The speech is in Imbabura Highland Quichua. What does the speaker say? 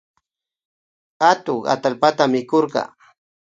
Atuk atallpata mikurka